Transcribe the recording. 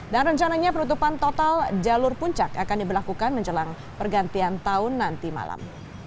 dan rencananya penutupan total jalur puncak akan diberlakukan menjelang pergantian tahun nanti malam